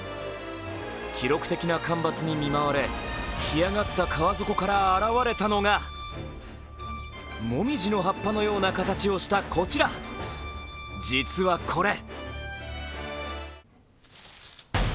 記録的な干ばつに見舞われ干上がった川底から現れたのが紅葉の葉っぱのような形をしたこちら、実はこれ！